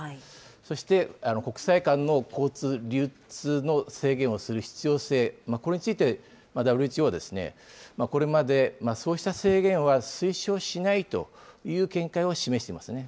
そして、国際間の交通・流通の制限をする必要性、これについてＷＨＯは、これまでそうした制限は推奨しないという見解を示していますね。